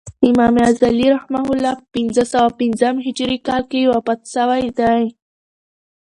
امام غزالی رحمة الله په پنځه سوه پنځم هجري کال کښي وفات سوی دئ.